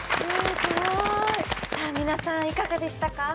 皆さんいかがでしたか？